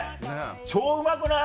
超うまくない？